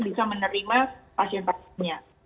bisa menerima pasien pasiennya